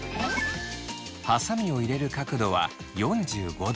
はさみを入れる角度は４５度。